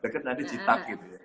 deket nanti citak gitu